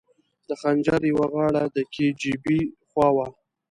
د خنجر یوه غاړه د کي جي بي خوا وه.